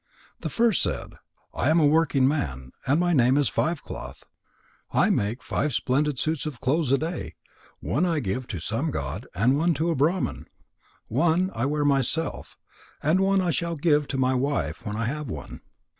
The first said: "I am a working man, and my name is Five cloth. I make five splendid suits of clothes a day. One I give to some god and one to a Brahman. One I wear myself, and one I shall give to my wife when I have one.